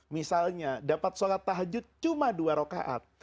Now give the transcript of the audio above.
misalnya dapat sholat tahajud cuma dua rokaat